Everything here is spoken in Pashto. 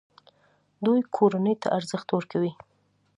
دوی کورنۍ ته ارزښت ورکوي.